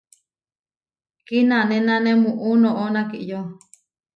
Kinanénane muú noʼó nakiyó.